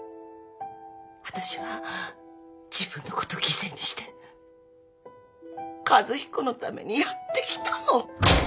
わたしは自分のこと犠牲にして和彦のためにやってきたの。